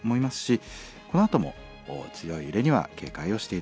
このあとも強い揺れには警戒をして頂ければと思います。